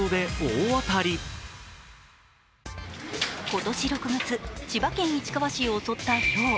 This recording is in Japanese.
今年６月、千葉県市川市を襲ったひょう。